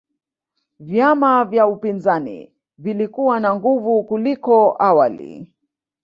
vyama vya upinzani vilikuwa na nguvu kuliko awali